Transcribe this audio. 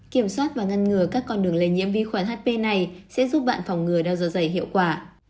kiểm soát và ngăn ngừa các con đường lây nhiễm vi khuẩn hp này sẽ giúp bạn phòng ngừa đau dơ dày hiệu quả